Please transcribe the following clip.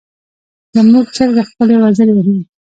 زموږ چرګه خپلې وزرې وهي.